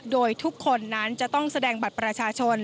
โดยทุกคนนั้นจะต้องแสดงบัตรประชาชน